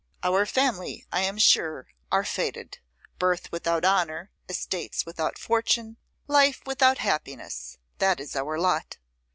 Our family, I am sure, are fated. Birth without honour, estates without fortune, life without happiness, that is our lot.